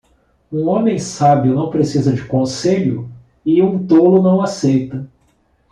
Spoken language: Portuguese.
Um homem sábio não precisa de conselho? e um tolo não aceita.